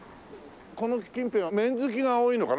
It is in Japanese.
この近辺は麺好きが多いのかな？